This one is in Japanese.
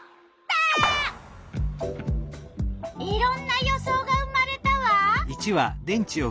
いろんな予想が生まれたわ。